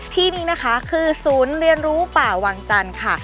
ที่นี่นะคะคือศูนย์เรียนรู้ป่าวังจันทร์ค่ะ